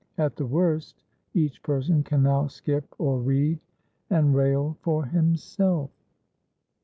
At the worst, each person can now skip, or read and rail for himself.